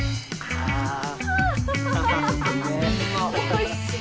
おいしい！